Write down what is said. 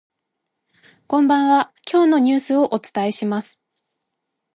こんばんは、今日のニュースをお伝えします。